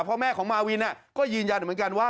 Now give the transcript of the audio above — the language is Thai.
พ่อแม่ของมาวินก็ยืนยันเหมือนกันว่า